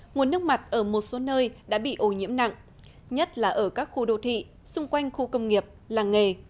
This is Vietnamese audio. nguồn nước mặt ở một số nơi đã bị ô nhiễm nặng nhất là ở các khu đô thị xung quanh khu công nghiệp làng nghề